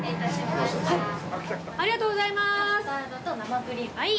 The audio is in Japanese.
ありがとうございます！